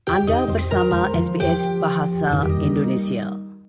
anda bersama sbs bahasa indonesia